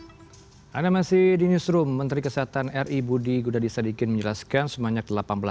hai anda masih di newsroom menteri kesehatan ri budi gunadisadikin menjelaskan semuanya ke delapan belas